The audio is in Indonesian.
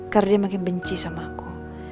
karena dia makin benci sama aku